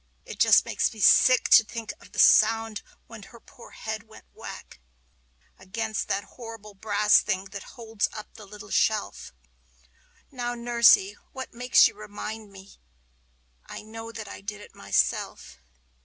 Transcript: It just makes me sick to think of the sound when her poor head went whack Against that horrible brass thing that holds up the little shelf. Now, Nursey, what makes you remind me? I know that I did it myself!